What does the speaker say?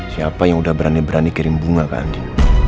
siapa yang udah berani berani kirim bunga ke andi